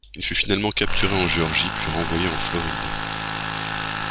Il fut finalement capturé en Géorgie puis renvoyé en Floride.